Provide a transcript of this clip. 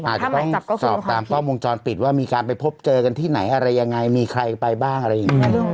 อาจจะต้องสอบตามกล้องวงจรปิดว่ามีการไปพบเจอกันที่ไหนอะไรยังไงมีใครไปบ้างอะไรอย่างนี้